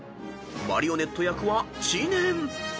［マリオネット役は知念］